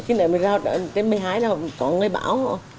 khi nãy mình ra đến một mươi hai là có người bảo